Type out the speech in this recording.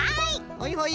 はいはい。